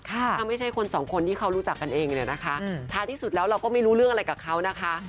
ถ้าไม่ใช่คนสองคนที่เขารู้จักกันเองเนี่ยนะคะท้ายที่สุดแล้วเราก็ไม่รู้เรื่องอะไรกับเขานะคะ